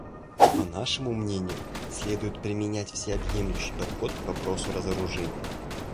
По нашему мнению, следует применять всеобъемлющий подход к вопросу разоружения.